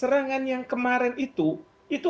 orang orang yang kamu beam tadi